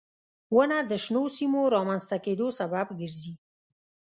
• ونه د شنو سیمو رامنځته کېدو سبب ګرځي.